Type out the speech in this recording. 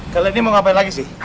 kali ini mau ngapain lagi sih